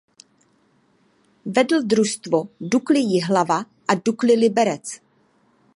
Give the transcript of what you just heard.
Vedl družstvo Dukly Jihlava a Dukly Liberec.